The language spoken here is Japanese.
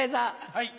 はい。